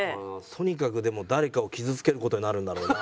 とにかくでも誰かを傷つける事になるんだろうな。